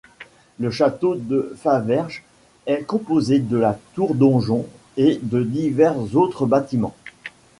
Le château de Faverges est composé de la tour-donjon et de divers autres bâtiments.